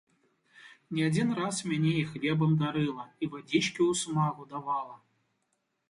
Не адзін раз мяне і хлебам дарыла, і вадзічкі ў смагу давала.